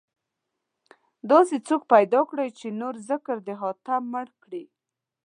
داسې څوک پيدا کړئ، چې نور ذکر د حاتم مړ کړي